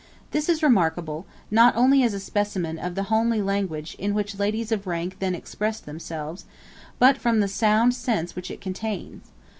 This is remarkable, not only as a specimen of the homely language in which ladies of rank then expressed themselves, but from the sound sense which it contains.